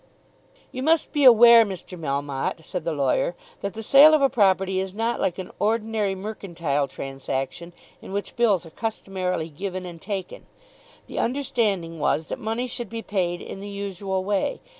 "You must be aware, Mr. Melmotte," said the lawyer, "that the sale of a property is not like an ordinary mercantile transaction in which bills are customarily given and taken. The understanding was that money should be paid in the usual way.